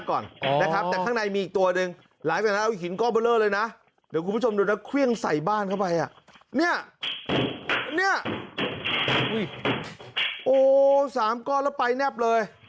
โอ้โห๓ก้อนแล้วไปแนบเลย